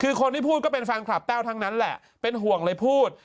คือคนที่พูดก็เป็นแฟนคลับแต้วทั้งนั้นแหละเป็นห่วงเลยพูด